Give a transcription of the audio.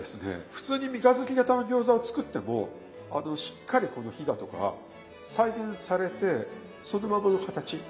普通に三日月型の餃子を作ってもしっかりこのひだとか再現されてそのままの形。